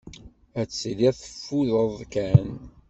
Ad tiliḍ teffudeḍ kan.